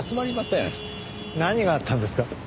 何があったんですか？